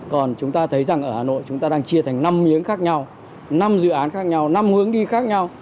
còn chúng ta thấy rằng ở hà nội chúng ta đang chia thành năm miếng khác nhau năm dự án khác nhau năm hướng đi khác nhau